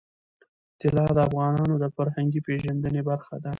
طلا د افغانانو د فرهنګي پیژندنې برخه ده.